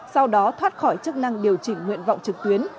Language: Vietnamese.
sau đó thoát khỏi chức năng điều chỉnh nguyện vọng trực tuyến